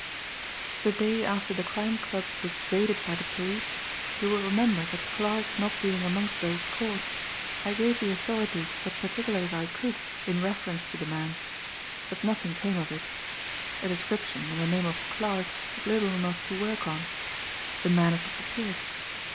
"The day after the Crime Club was raided by the police, you will remember that Clarke not being amongst those caught, I gave the authorities what particulars I could in reference to the man. But nothing came of it. A description and the name of 'Clarke' was little enough to work on. The man had disappeared.